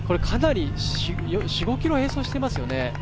４５ｋｍ並走していますよね。